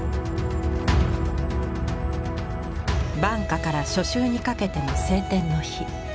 晩夏から初秋にかけての晴天の日。